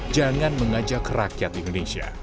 jangan mengajak rakyat indonesia